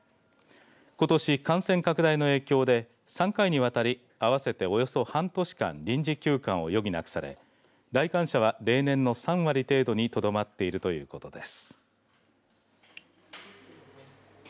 ことし、感染拡大の影響で３回にわたり合わせておよそ半年間臨時休館を余儀なくされ来館者は例年の３割程度にとどまっているということです。